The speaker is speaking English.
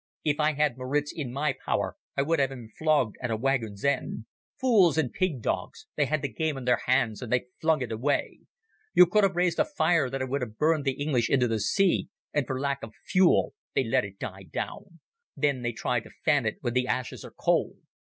If I had Maritz in my power I would have him flogged at a wagon's end. Fools and pig dogs, they had the game in their hands and they flung it away. We could have raised a fire that would have burned the English into the sea, and for lack of fuel they let it die down. Then they try to fan it when the ashes are cold."